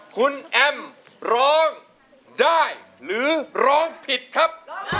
คุณแอมร้องได้หรือร้องผิดครับ